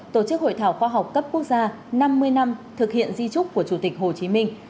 tổ chức hội thảo khoa học cấp quốc gia năm mươi năm thực hiện di trúc của chủ tịch hồ chí minh